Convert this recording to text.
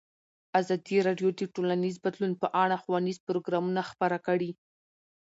ازادي راډیو د ټولنیز بدلون په اړه ښوونیز پروګرامونه خپاره کړي.